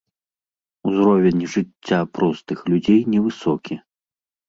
Узровень жыцця простых людзей невысокі.